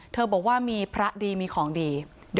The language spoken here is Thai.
บอกว่ามีพระดีมีของดี